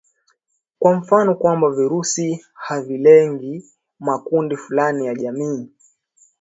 kwa mfano kwamba virusi havilengi makundi fulani ya jamii